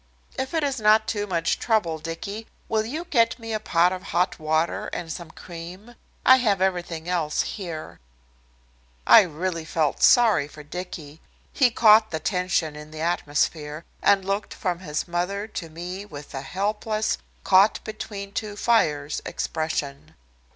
If it is not too much trouble, Dicky, will you get me a pot of hot water and some cream? I have everything else here." I really felt sorry for Dicky. He caught the tension in the atmosphere, and looked from his mother to me with a helpless caught between two fires expression.